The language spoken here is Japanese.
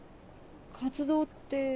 活動って。